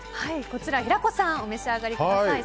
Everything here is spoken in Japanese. こちら平子さん、お召し上がりください。